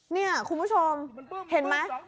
เนี่ยคุณผู้ชมเห็นหรือใช่ไม่